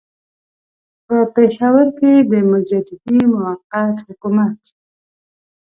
په پېښور کې د مجددي موقت حکومت.